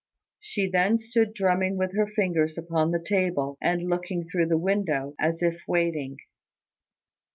She then stood drumming with her fingers upon the table, and looking through the window, as if waiting.